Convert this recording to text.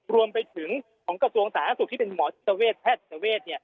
รวมไปถึงของกระทรวงสาธารณสุขที่เป็นหมอจิตเวทแพทย์จิตเวท